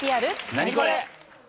ナニコレ！